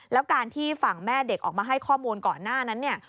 แล้วการที่ฝั่งแม่เด็กออกมาให้ข้อมูลก่อนหน้านั้นเนี่ย